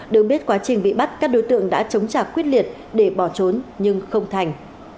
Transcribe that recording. được biết quá trình bị bắt các đối tượng đã chống trả quyết liệt để bỏ trốn nhưng không thành